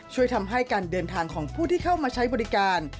ช่วยทำให้การเดินทางของผู้ที่เข้ามาใช้บริการ